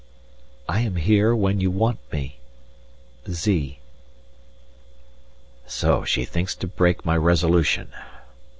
"I am here when you want me. Z." So she thinks to break my resolution!